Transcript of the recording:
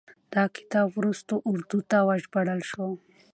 دا کتاب وروستو اردو ته وژباړل شو.